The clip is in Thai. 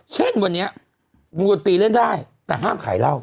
เช่นวันนี้วงดนตรีเล่นได้แต่ห้ามขายเหล้า